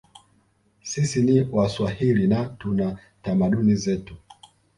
Sisi ni waswahili na tuna tamaduni zetu